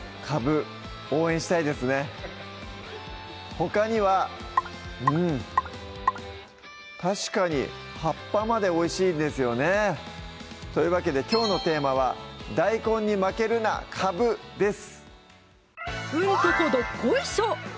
ほかにはうん確かに葉っぱまでおいしいんですよねというわけできょうのテーマは「大根に負けるな！カブ」です